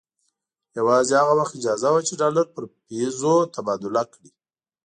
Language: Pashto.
یوازې هغه وخت اجازه وه چې ډالر پر پیزو تبادله کړي.